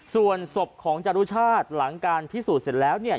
ส่วนศพของจรุชาติหลังการพิสูจน์เสร็จแล้วเนี่ย